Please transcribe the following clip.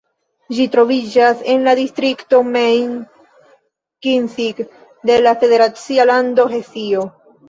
Ĝi troviĝas en la distrikto Main-Kinzig de la federacia lando Hesio.